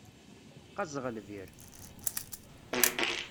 Qqazeɣ lbir.